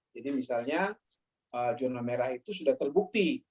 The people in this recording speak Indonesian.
jadi misalnya zona merah itu sudah terbukti